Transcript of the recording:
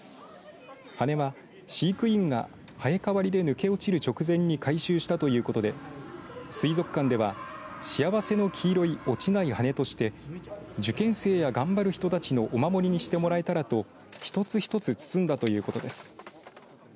羽根は飼育員が生え替わりで抜け落ちる直前に回収したということで水族館では、幸せの黄色い落ちない羽根として受験生や頑張る人たちのお守りにしてもらえたらと一つ一つ包んだということです。